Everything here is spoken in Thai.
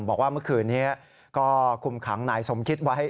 บอกว่าเมื่อคืนนี้ก็คุมขังนายสมคิดไว้